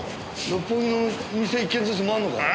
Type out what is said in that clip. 六本木の店１軒ずつ回るのかよ？